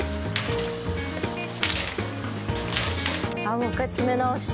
もう一回詰め直して。